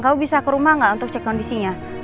kamu bisa ke rumah nggak untuk cek kondisinya